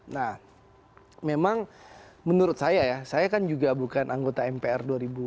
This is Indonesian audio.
nah memang menurut saya saya kan juga bukan anggota mpr dua ribu empat belas dua ribu sembilan belas